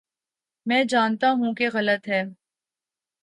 میں جانتا ہوں کہ غلط ہے۔